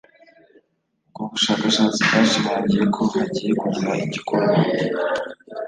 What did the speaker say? Ubwo bushakashatsi bwashimangiye ko hagiye kugira igikorwa